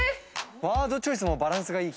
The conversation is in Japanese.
ワードチョイスのバランスがいい。